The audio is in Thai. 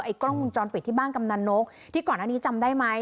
ไอ้กล้องมุมจรเปลี่ยนที่บ้านกำนันนกที่ก่อนหน้านี้จำได้ไหม